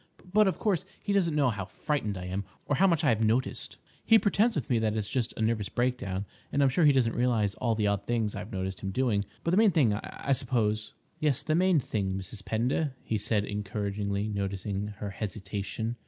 But, of course, he doesn't know how frightened I am, or how much I have noticed. He pretends with me that it's just a nervous breakdown, and I'm sure he doesn't realise all the odd things I've noticed him doing. But the main thing, I suppose—" "Yes, the main thing, Mrs. Pender," he said, encouragingly, noticing her hesitation.